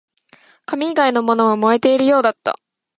紙以外のものも燃えているようだった